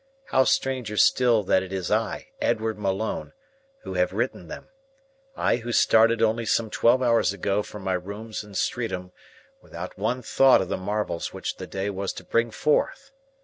How stranger still that it is I, Edward Malone, who have written them I who started only some twelve hours ago from my rooms in Streatham without one thought of the marvels which the day was to bring forth!